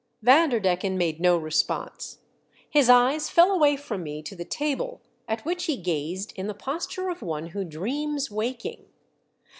Vanderdecken made no response ; his eyes fell away from me to the table, at which he gazed in the posture of one who dreams waking.